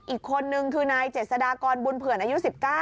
อีกคนนึงคือนายเจษฎากรบุญเผื่อนอายุ๑๙